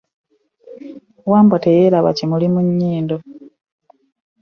Wambwa teyerba kimulu ku nyindo.